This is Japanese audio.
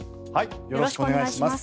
よろしくお願いします。